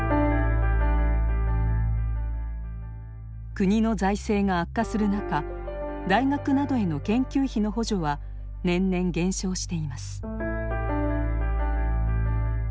国の財政が悪化する中大学などへの研究費の補助は年々減少しています。